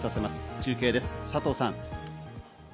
中継です、佐藤さん。